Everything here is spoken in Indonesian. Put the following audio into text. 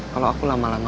kalau aku lama lama